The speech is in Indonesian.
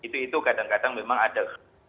terus ada yang mengatakan memang ada